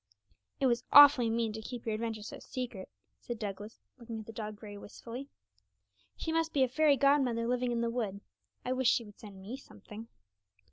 'It was awfully mean to keep your adventure so secret, said Douglas, looking at the dog very wistfully; 'she must be a fairy godmother living in the wood. I wish she would send me something.'